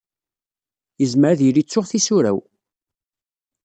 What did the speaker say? Yezmer ad yili ttuɣ tisura-w.